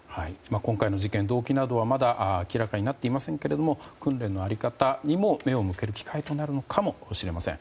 今回の事件、動機などはまだ明らかになっていませんが訓練の在り方にも目を向ける機会となるのかもしれません。